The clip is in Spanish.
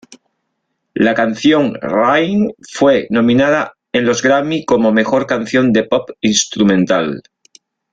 La canción "Rain" fue nominada en los Grammy como mejor canción de pop instrumental.